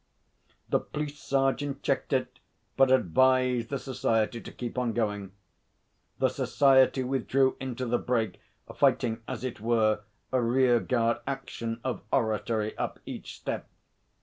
The police sergeant checked it, but advised the Society to keep on going. The Society withdrew into the brake fighting, as it were, a rear guard action of oratory up each step.